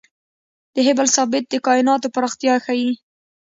د هبل ثابت د کائناتو پراختیا ښيي.